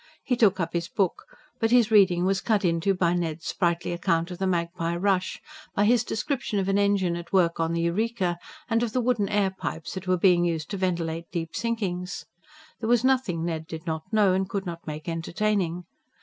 He took up his book. But his reading was cut into by Ned's sprightly account of the Magpie rush; by his description of an engine at work on the Eureka, and of the wooden airpipes that were being used to ventilate deep sinkings. There was nothing Ned did not know, and could not make entertaining.